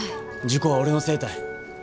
事故は俺のせいたい。